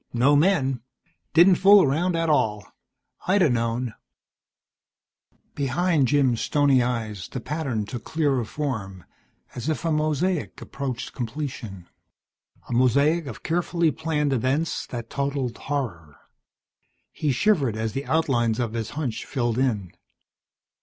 No men. Didn't fool around at all. I'd a known." Behind Jim's stony eyes the pattern took clearer form, as if a mosaic approached completion. A mosaic of carefully planned events that totalled horror. He shivered as the outlines of his hunch filled in.